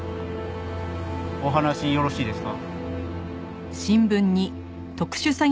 お話よろしいですか？